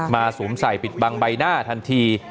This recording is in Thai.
สวมใส่ปิดบังใบหน้าทันที